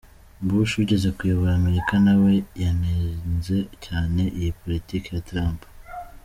Bush wigeze kuyobora Amerika, nawe yanenze cyane iyi politiki ya Trump.